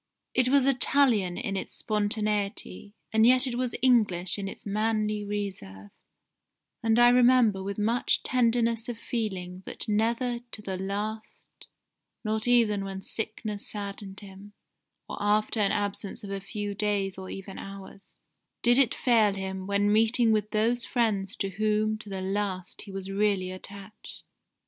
It was Italian in its spontaneity, and yet it was English in its manly reserve, and I remember with much tenderness of feeling that never to the last (not even when sickness saddened him, or after an absence of a few days or even hours), did it fail him when meeting with those friends to whom to the last he was really attached.